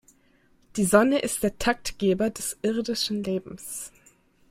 Die Sonne ist der Taktgeber des irdischen Lebens.